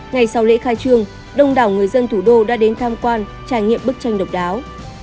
ngày sau lễ khai trương đông đảo người dân thủ đô đã đến tham quan trải nghiệm bức tranh độc đáo